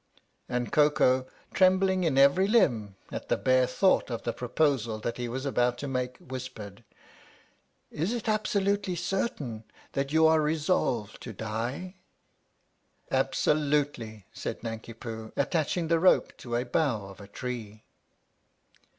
And Koko, trembling in every limb at the bare thought of the proposal that he was about to make, whispered : 56 THE STORY OF THE MIKADO " Is it absolutely certain that you are resolved to die?" " Absolutely," said Nanki Poo, attaching the rope to a bough of a tree.